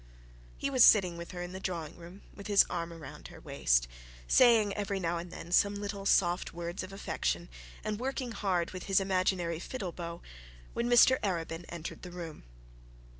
He was sitting with her in the drawing room, with his arm round her waist, saying now and then some little soft words of affection, and working hard with his imaginary little fiddle bow, when Mr Arabin entered the room.